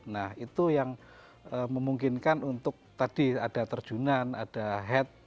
nah itu yang memungkinkan untuk tadi ada terjunan ada head